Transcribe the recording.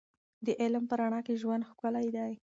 د علم په رڼا کې ژوند ښکلی دی.